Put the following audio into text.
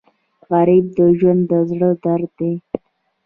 غریب د ژوند د زړه درد دی